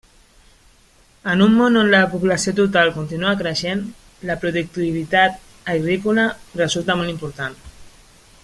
En un món on la població total continua creixent la productivitat agrícola resulta molt important.